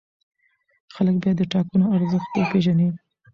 خلک باید د ټاکنو ارزښت وپېژني